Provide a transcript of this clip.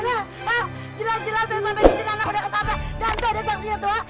jelas jelas saya sampe di sinarang udah ketapa dan saya ada saksinya tua